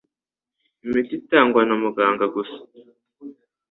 imiti itangwa na muganga gusa,